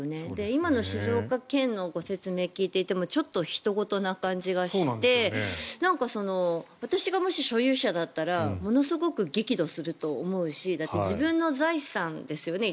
今の静岡県のご説明を聞いていてもちょっとひと事な感じがして私がもし所有者だったらものすごく激怒すると思うしだって、自分の財産ですよね